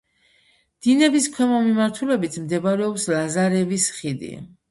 დინების ქვემო მიმართულებით მდებარეობს ლაზარევის ხიდი.